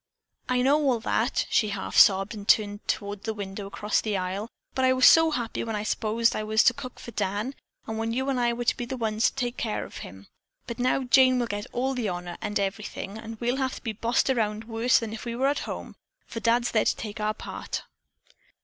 "I know all that," she half sobbed and turned toward the window across the aisle, "but I was so happy when I s'posed I was to cook for Dan, and when you and I were to be the ones to take care of him. But now Jane will get all the honor and everything, and we'll have to be bossed around worse than if we were at home, for Dad's there to take our part."